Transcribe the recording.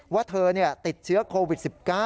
ว่าเธอติดเชื้อโควิด๑๙